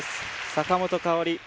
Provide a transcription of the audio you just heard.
坂本花織